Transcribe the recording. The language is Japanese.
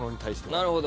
なるほど。